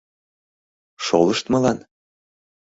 Шолыштмылан?